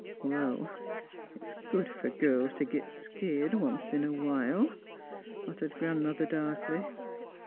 '' It's good fer girls t' git skeered, onct in a while," muttered Grandmother, darkly.